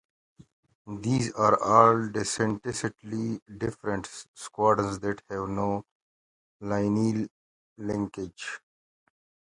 These are all distinctly different squadrons that have no lineal linkage.